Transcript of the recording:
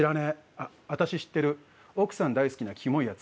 「ああたし知ってる」「奥さん大好きなキモいやつ」